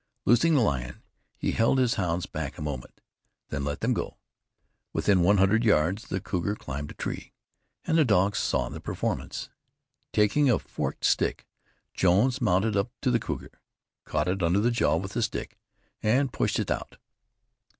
Loosing the lion, he held his hounds back a moment, then let them go. Within one hundred yards the cougar climbed a tree, and the dogs saw the performance. Taking a forked stick, Jones mounted up to the cougar, caught it under the jaw with the stick, and pushed it out.